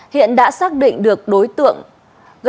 hiện đã xác định được đối tượng